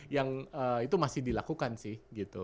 yang itu masih dilakukan sih gitu